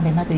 về ma túy